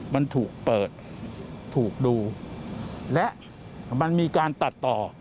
มันถูกเปิดถูกดูและมันมีการตัดต่อ